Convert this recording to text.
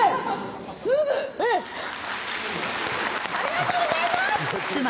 すぐありがとうございます！